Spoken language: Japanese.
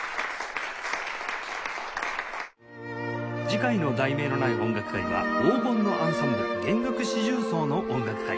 次回の『題名のない音楽会』は「黄金のアンサンブル！弦楽四重奏の音楽会」